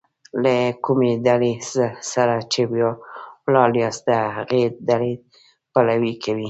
له کومي ډلي سره چي ولاړ یاست؛ د هغي ډلي پلوي کوئ!